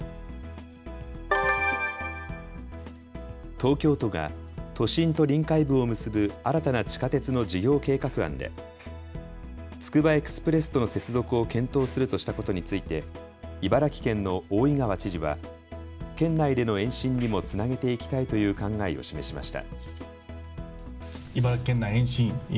東京都が都心と臨海部を結ぶ新たな地下鉄の事業計画案でつくばエクスプレスとの接続を検討するとしたことについて茨城県の大井川知事は県内での延伸にもつなげていきたいという考えを示しました。